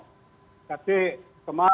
menurut rata rata biasa kebutuhan kita perbudayaan